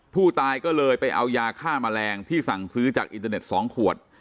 ผู้ตายก็เลยไปเอายาฆ่าแมลงที่สั่งซื้อจากอินเทอร์เน็ต๒ขวด